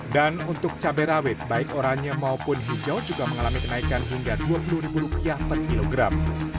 dan untuk cabai rawit baik oranye maupun hijau juga mengalami kenaikan hingga rp dua puluh per kilogram